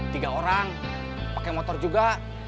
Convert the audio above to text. tiga orang pakai motor juga